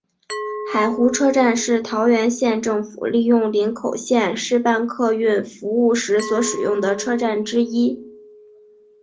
海湖车站是桃园县政府利用林口线试办客运服务时所使用的车站之一。